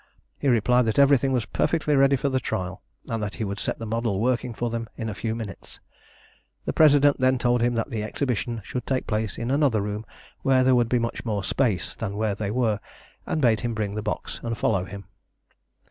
He replied that everything was perfectly ready for the trial, and that he would set the model working for them in a few minutes. The President then told him that the exhibition should take place in another room, where there would be much more space than where they were, and bade him bring the box and follow him.